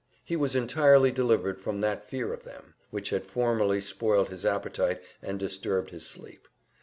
He was entirely delivered from that fear of them, which had formerly spoiled his appetite and disturbed his sleep.